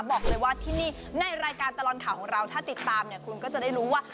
บอกเลยว่าที่นี่ในรายการตลอดข่าวของเราถ้าติดตามเนี่ยคุณก็จะได้รู้ว่า